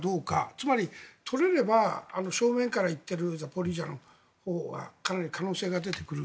つまり取れれば正面から行っているザポリージャのほうはかなり可能性が出てくる。